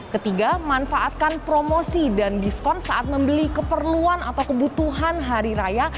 ketiga manfaatkan promosi dan diskon saat membeli keperluan atau kebutuhan hari raya